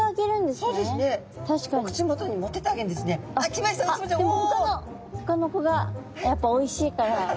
でもほかの子がやっぱおいしいから。